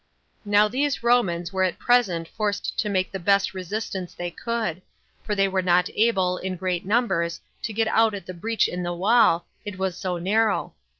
Now these Romans were at present forced to make the best resistance they could; for they were not able, in great numbers, to get out at the breach in the wall, it was so narrow.